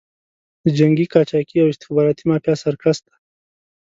د جنګي قاچاقي او استخباراتي مافیا سرکس دی.